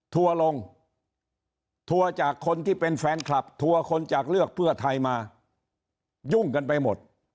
ทัวร์ลงทัวร์จากคนที่เป็นแฟนคลับทัวร์คนจากเลือกเพื่อไทยมายุ่งกันไปหมด